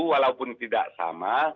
walaupun tidak sama